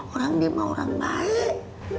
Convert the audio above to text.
orang ini mah orang baik